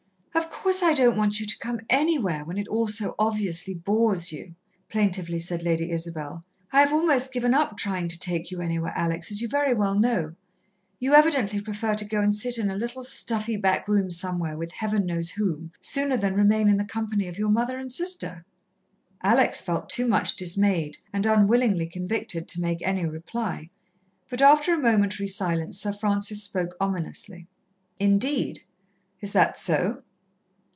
"Of course, I don't want you to come anywhere when it all so obviously bores you," plaintively said Lady Isabel. "I have almost given up trying to take you anywhere, Alex, as you very well know. You evidently prefer to go and sit in a little stuffy back room somewhere with Heaven knows whom, sooner than remain in the company of your mother and sister." Alex felt too much dismayed and unwillingly convicted to make any reply, but after a momentary silence Sir Francis spoke ominously. "Indeed! is that so?"